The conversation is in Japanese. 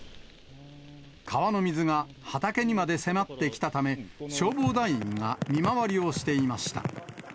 川の水が畑にまで迫ってきたため、消防団員が見回りをしていました。